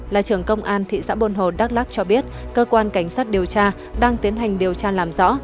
là trưởng công an thị xã buôn hồ đắk lắc cho biết cơ quan cảnh sát điều tra đang tiến hành điều tra làm rõ